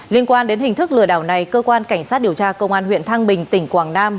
liên quan đến hình thức lừa đảo này cơ quan cảnh sát điều tra công an huyện thăng bình tỉnh quảng nam